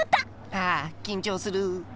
ああきんちょうする。